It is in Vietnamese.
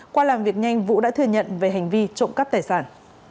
qua làm việc nhanh vũ đã thừa nhận về hành vi trộm cắp tài sản